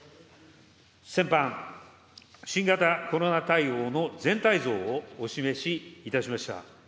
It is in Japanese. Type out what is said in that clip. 先般、新型コロナ対応の全体像をお示しいたしました。